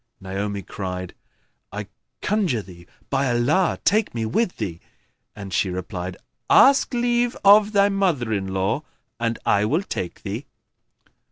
Naomi cried, "I conjure thee by Allah take me with thee!"; and she replied, "Ask leave of thy mother in law, and I will take thee."